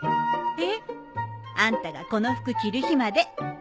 えっ？あんたがこの服着る日まで。